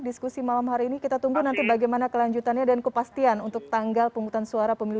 diskusi malam hari ini kita tunggu nanti bagaimana kelanjutannya dan kepastian untuk tanggal pemungutan suara pemilu dua ribu dua puluh empat